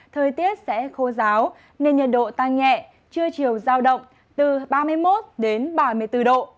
thời tiết sẽ khô ráo nên nhiệt độ tăng nhẹ trưa chiều giao động từ ba mươi một đến ba mươi bốn độ